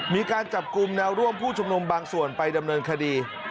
มีการจับกลุ่มแนวร่วมผู้ชุมนุมบางส่วนไปดำเนินคดี